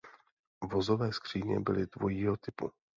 Vozové skříně byly dvojího typu.